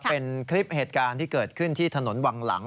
เป็นคลิปเหตุการณ์ที่เกิดขึ้นที่ถนนวังหลัง